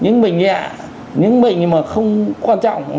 những bệnh nhẹ những bệnh mà không quan trọng